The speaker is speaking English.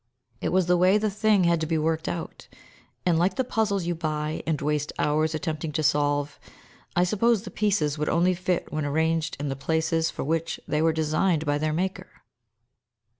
It was the way the thing had to be worked out; and like the puzzles you buy, and waste hours attempting to solve, I suppose the pieces would only fit when arranged in the places for which they were designed by their Maker.